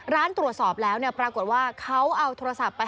ร้านตรวจสอบแล้วเนี่ยปรากฏว่าเขาเอาโทรศัพท์ไป